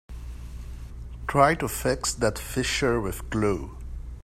Try to fix that fissure with glue.